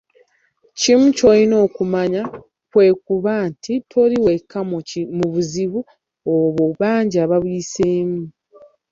Kimu ky'olina okumanya kwe kuba nti toli wekka mu buzibu obwo bangi ababuyiseemu